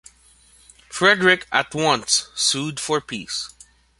Frederick at once sued for peace.